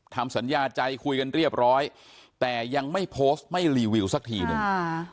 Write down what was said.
ทำสัญญาใจคุยกันเรียบร้อยแต่ยังไม่โพสต์ไม่รีวิวสักทีหนึ่ง